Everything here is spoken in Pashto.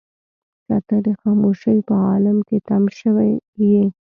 که ته د خاموشۍ په عالم کې تم شوې يې.